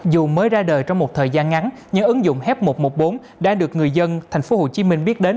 dù mới ra đời trong một thời gian ngắn nhưng ứng dụng h một trăm một mươi bốn đã được người dân tp hcm biết đến